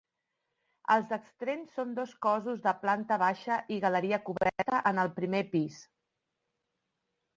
Els extrems són dos cossos de planta baixa i galeria coberta en el primer pis.